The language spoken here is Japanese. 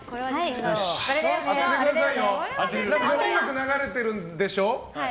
音楽流れてるでしょ？